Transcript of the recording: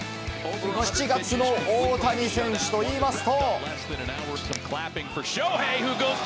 ７月の大谷選手といいますと。